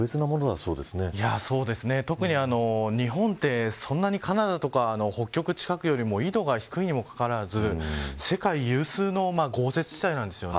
そうですね、特に日本ってそんなにカナダとか北極近くより緯度が低いにもかかわらず世界有数の豪雪地帯なんです。